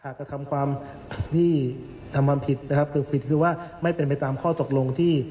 หากจะทำความผิดคือว่าไม่เป็นไปตามข้อตกลงที่